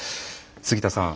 杉田さん